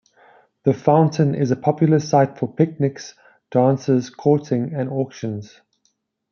The fountain is a popular site for picnics, dances, courting, and auctions.